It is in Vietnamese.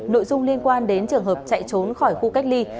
nội dung liên quan đến trường hợp chạy trốn khỏi khu cách ly